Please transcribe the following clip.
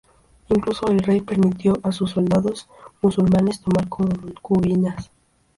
Incluso el rey permitió a sus soldados musulmanes tomar concubinas.